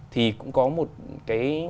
thì cũng có một cái